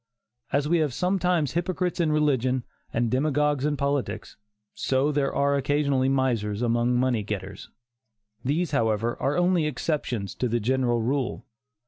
As we have sometimes hypocrites in religion, and demagogues in politics, so there are occasionally misers among money getters. These, however, are only exceptions to the general rule.